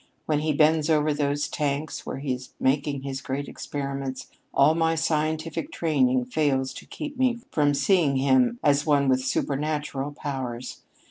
When he bends over those tanks where he is making his great experiments, all of my scientific training fails to keep me from seeing him as one with supernatural powers.